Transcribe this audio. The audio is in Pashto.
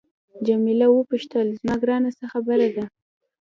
جميله وپوښتل زما ګرانه څه خبره ده.